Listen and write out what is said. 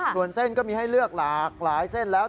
ส่วนเส้นก็มีให้เลือกหลากหลายเส้นแล้ว